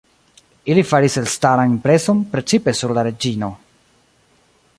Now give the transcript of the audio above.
Ili faris elstaran impreson, precipe sur la reĝino.